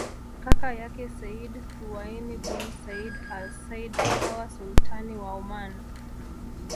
Kaka yake Sayyid Thuwaini bin Said al Said akawa Sultani wa Oman